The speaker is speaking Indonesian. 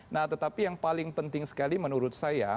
nah tetapi yang paling penting sekali menurut saya